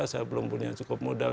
saya belum punya cukup modal